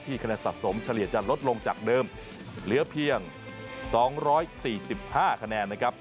ที่คะแนนสะสมเฉลี่ยจะลดลงจากเดิมเหลือเพียงสองร้อยสี่สิบห้าคะแนนนะครับ